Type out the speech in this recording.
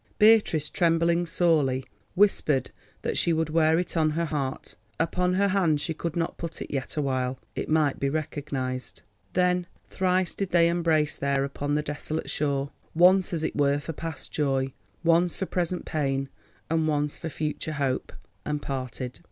Beatrice, trembling sorely, whispered that she would wear it on her heart, upon her hand she could not put it yet awhile—it might be recognised. Then thrice did they embrace there upon the desolate shore, once, as it were, for past joy, once for present pain, and once for future hope, and parted.